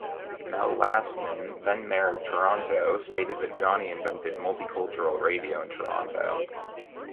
Mel Lastman, then mayor of Toronto, stated that "Johnny invented multicultural radio in Toronto".